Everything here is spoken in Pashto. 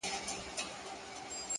• ستا هغه رنگين تصوير؛